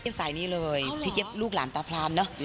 สายนี้เลยพี่เจี๊ยลูกหลานตาพรานเนอะ